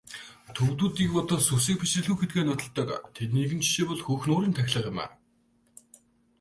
Төвөдүүдийг бодвол сүсэг бишрэлгүй гэдгээ нотолдог тэдний нэгэн жишээ бол Хөх нуурын тахилга юм.